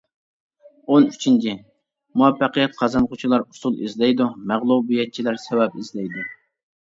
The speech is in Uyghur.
ئون ئۈچىنچى، مۇۋەپپەقىيەت قازانغۇچىلار ئۇسۇل ئىزدەيدۇ، مەغلۇبىيەتچىلەر سەۋەب ئىزدەيدۇ.